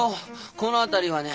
この辺りはね